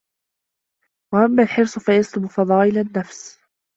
وَأَمَّا الْحِرْصُ فَيَسْلُبُ فَضَائِلَ النَّفْسِ